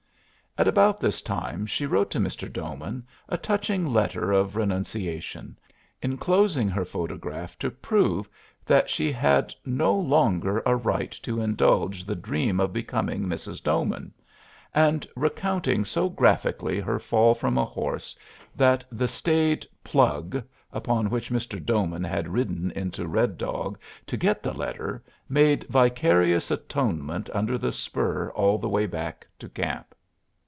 At about this time she wrote to Mr. Doman a touching letter of renunciation, inclosing her photograph to prove that she had no longer had a right to indulge the dream of becoming Mrs. Doman, and recounting so graphically her fall from a horse that the staid "plug" upon which Mr. Doman had ridden into Red Dog to get the letter made vicarious atonement under the spur all the way back to camp.